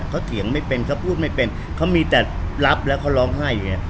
เขาเถียงไม่เป็นเขาพูดไม่เป็นเขามีแต่รับแล้วเขาร้องไห้อย่างนี้